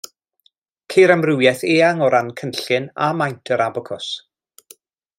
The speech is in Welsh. Ceir amrywiaeth eang o ran cynllun a maint yr abacws.